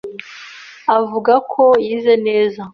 avuga ko yizeye neza